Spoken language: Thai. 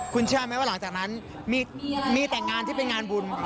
คุณเชื่อไหมว่าหลังจากนั้นมีแต่งานที่เป็นงานบุญ